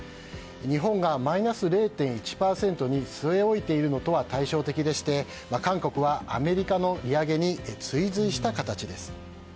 日本がマイナス０．１％に据え置いているのとは対照的でして、韓国はアメリカの利上げに追随した形です。